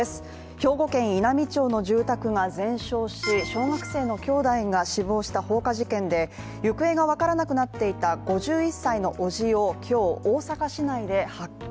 兵庫県稲美町の住宅が全焼し小学生の兄弟が死亡した放火事件で、行方がわからなくなっていた５１歳の伯父を今日、大阪市内で発見